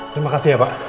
terima kasih ya pak